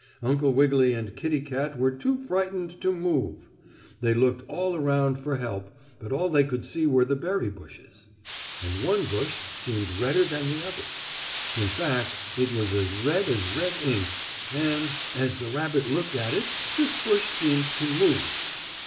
Uncle Wiggily and Kittie Kat were too frightened to move. They looked all around for help, but all they could see were the berry bushes. And one bush seemed redder than the others. In fact, it was as red as red ink, and, as the rabbit looked at it this bush seemed to move.